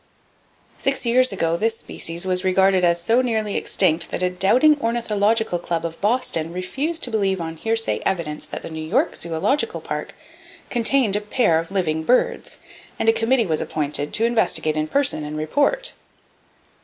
—Six years ago this species was regarded as so nearly extinct that a doubting ornithological club of Boston refused to believe on hearsay evidence that the New York Zoological Park contained a pair of living birds, and a committee was appointed, to investigate in person, and report.